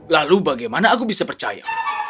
lalu bagaimana aku bisa percaya